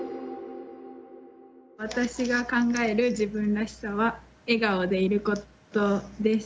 私が考える自分らしさは「笑顔でいること」です。